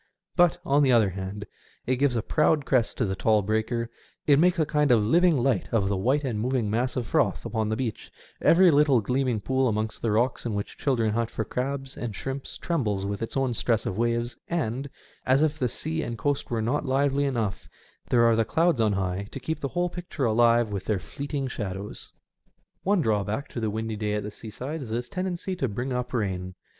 But, on the other hand, it gives a proud crest to the tall breaker, it makes a kind of living light of the white and moving mass of froth upon the beach, every little gleaming pool amongst the rocks in which children hunt for crabs and shrimps trembles with its own stress of waves, and, as if sea and coast were not lively enough, there are the clouds on high to keep the whole picture alive with their fleeting shadows. 210 SEASIDE EFFECTS. One drawback to the windy day at the seaside is its tendency to bring up rain.